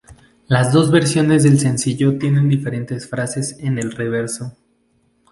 Las dos versiones del sencillo tienen diferentes frases en el reverso.